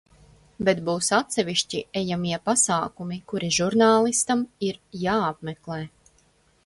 Bet būs atsevišķi ejamie pasākumi, kuri žurnālistam ir jāapmeklē.